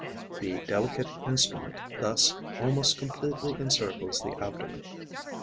The delicate instrument thus almost completely encircles the abdomen.